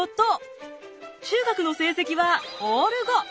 中学の成績はオール５。